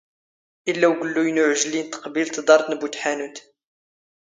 ⵉⵍⵍⴰ ⵓⴳⵍⵍⵓⵢ ⵏ ⵓⵄⵊⵍⵉ ⵏ ⵜⵇⴱⵉⵍⵜ ⴹⴰⵔⵜ ⵏ ⴱⵓ ⵜⵃⴰⵏⵓⵜ.